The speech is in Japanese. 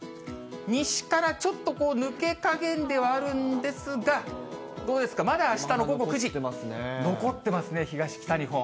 西からちょっと抜けかげんではあるんですが、どうですか、まだ、あしたの午後９時、残ってますね、東、北日本。